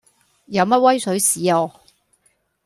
有乜威水史啊